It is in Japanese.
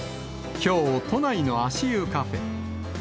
きょう、都内の足湯カフェ。